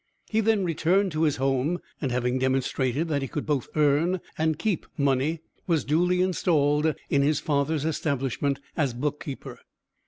He then returned to his home and, having demonstrated that he could both earn and keep money, was duly installed in his father's establishment as book keeper.